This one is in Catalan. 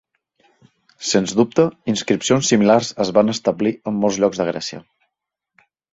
Sens dubte, inscripcions similars es van establir en molts llocs de Grècia.